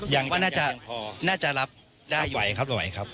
อย่างน่าจะรับได้อยู่